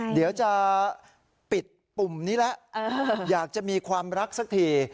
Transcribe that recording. เดี๋ยวจะปิดปุ่มนี้แล้วอยากจะมีความรักสักที